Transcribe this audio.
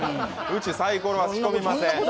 うち、サイコロは仕込みません。